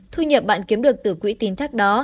thu nhập bạn kiếm được từ quỹ tín thác đó